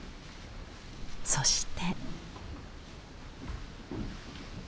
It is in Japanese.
そして。